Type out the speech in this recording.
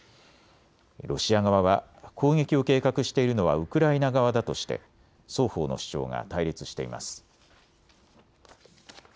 ロシア側は攻撃を計画しているのはウクライナ側だとして双方の主張が対立しています。